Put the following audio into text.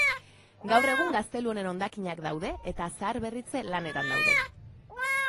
Gaur egun gaztelu honen hondakinak daude eta zaharberritze lanetan daude.